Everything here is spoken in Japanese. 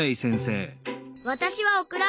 わたしはオクラ。